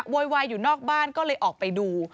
โวยวายอยู่นอกบ้านก็เลยออกไปดู